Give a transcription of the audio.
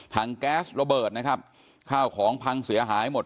แก๊สระเบิดนะครับข้าวของพังเสียหายหมด